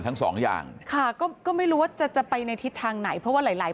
ทั้งสองอย่างค่ะก็ก็ไม่รู้ว่าจะจะไปในทิศทางไหนเพราะว่าหลายหลาย